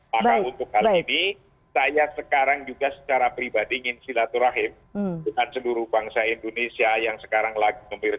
maka untuk hal ini saya sekarang juga secara pribadi ingin silaturahim dengan seluruh bangsa indonesia yang sekarang lagi